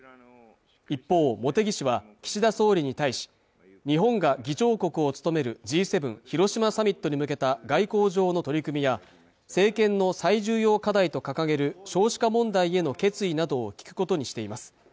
一方茂木氏は岸田総理に対し日本が議長国を務めるＧ７広島サミットに向けた外交上の取り組みや政権の最重要課題と掲げる少子化問題への決意などを聞くことにしています